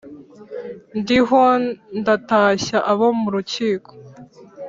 Ndiho ndatashya abo mu rukiko